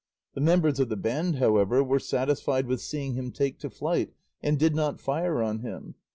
The members of the band, however, were satisfied with seeing him take to flight, and did not fire on him.